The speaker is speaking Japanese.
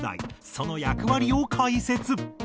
その役割を解説。